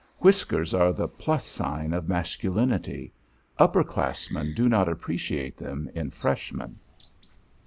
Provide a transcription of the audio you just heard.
Whiskers are the plus sign of masculinity. Upper classmen do not appreciate them in Freshmen.